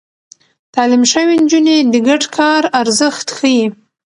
تعليم شوې نجونې د ګډ کار ارزښت ښيي.